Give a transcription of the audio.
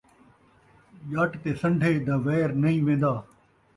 ڄٹ تے سن٘ڈھے دا ویر نئیں وین٘دا